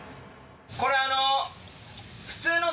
これあの。